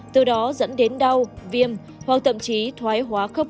từ đó dẫn đến đau viêm hoặc thậm chí thoái hóa khớp